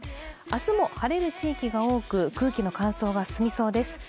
明日も晴れる地域が多く、空気の乾燥が進みそうです。